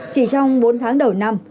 chỉ trong bốn tháng đầu năm